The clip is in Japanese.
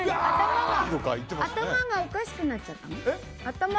頭がおかしくなっちゃったの？